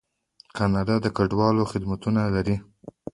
کاناډا د کډوالو خدمتونه لري.